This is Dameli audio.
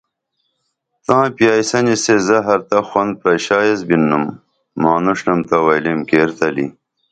تاں پیائسنی سے زہر تہ خوند پرشا ایس بِنُم مانُݜ تہ وئیلیئم کیر تلی